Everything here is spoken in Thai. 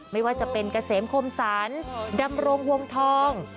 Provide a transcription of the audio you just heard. ไม่ว่าจะเป็นกระเสมโคมศรดำรมวงทอง